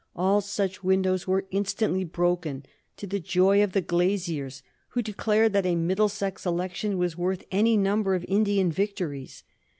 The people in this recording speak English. All such windows were instantly broken, to the joy of the glaziers, who declared that a Middlesex election was worth any number of Indian victories.